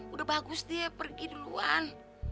udah bagus dia pergi duluan